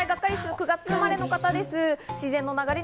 ９月生まれの方です。